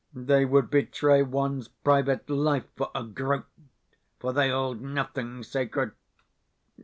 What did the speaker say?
They would betray one's private life for a groat, for they hold nothing sacred.